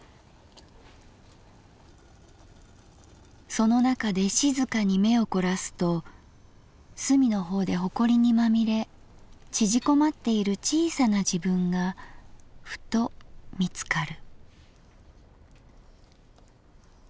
その中で静かに眼をこらすと隅の方でホコリにまみれ縮こまっている小さな自分がフト見つかる」。